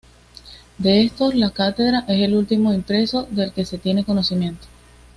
De estos, "La Cátedra" es el último impreso del que se tiene conocimiento.